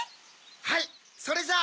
はいそれじゃあ！